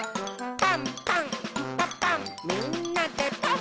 「パンパンんパパンみんなでパン！」